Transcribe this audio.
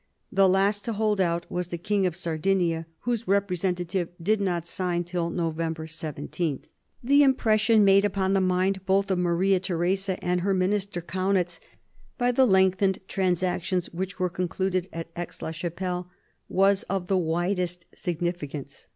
The last to. hold out was the King of Sardinia, whose representative did not sign till November 17. The impression made upon the mind both of Maria Theresa and of her minister Kaunitz by the lengthened transactions which were concluded at Aix la Chapelle was of the widest significance.